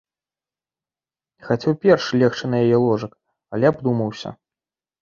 Хацеў перш легчы на яе ложак, але абдумаўся.